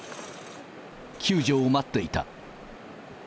救助を待っていた。